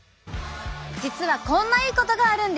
実はこんないいことがあるんです。